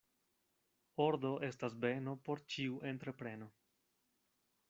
Ordo estas beno por ĉiu entrepreno.